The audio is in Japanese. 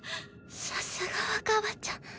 さすが若葉ちゃん。